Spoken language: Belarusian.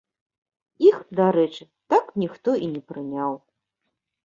Іх, дарэчы, так ніхто і не прыняў.